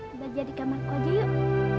sudah jadi kamar kode yuk